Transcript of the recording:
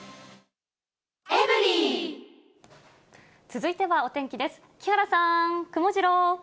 続いてはお天気です。